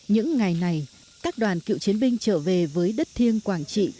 những ngày này các đoàn cựu chiến binh trở về với đất thiêng quảng trị